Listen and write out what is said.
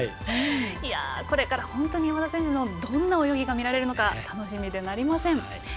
これから本当に山田選手のどんな泳ぎが見られるのか楽しみでなりません。